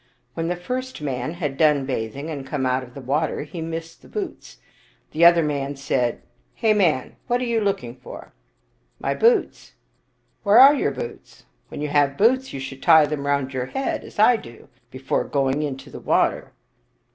When the first man had done bathing and came out of the water, he missed the boots. The other man said, " Hey, man, what are you looking for?" " My boots." "Where are your boots? When you have boots, you should tie them round your head, as I do, before going into the water."